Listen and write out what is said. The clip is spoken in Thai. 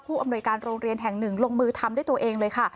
อำนวยการโรงเรียนแห่งหนึ่งลงมือทำด้วยตัวเองเลยค่ะ